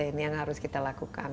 ini yang harus kita lakukan